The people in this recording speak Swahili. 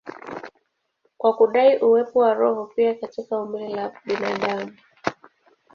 kwa kudai uwepo wa roho pia katika umbile la binadamu.